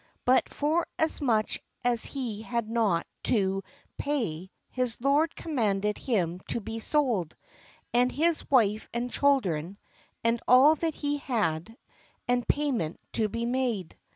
But forasmuch as he Had not to pay, his lord commanded him to be sold, and his wife and children, and a'll that he had, and pay ment to be made.